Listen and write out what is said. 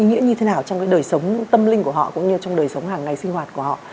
ý nghĩa như thế nào trong cái đời sống tâm linh của họ cũng như trong đời sống hàng ngày sinh hoạt của họ